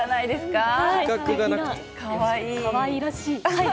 かわいらしい。